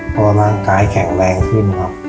พอนางกายแข็งแรงขึ้น